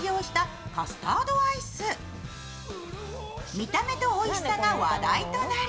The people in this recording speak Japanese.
見た目とおいしさが話題となり